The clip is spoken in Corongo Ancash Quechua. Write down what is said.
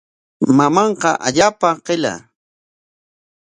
Mamanqa allaapa qilla.